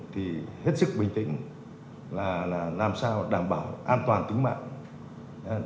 thì hết sức bình tĩnh là làm sao đảm bảo an toàn tính mạng